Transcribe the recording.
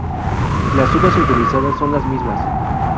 Las uvas utilizadas son las mismas.